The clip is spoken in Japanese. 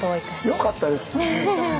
よかったです！